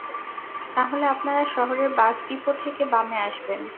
তাহলে আপনারা শহরের বাস ডিপো থেকে বামে আসবেন।